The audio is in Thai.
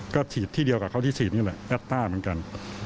ก็ฉีดที่เดียวกับเขาที่ฉีดนี่แหละแอปต้าเหมือนกัน